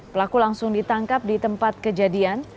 pelaku langsung ditangkap di tempat kejadian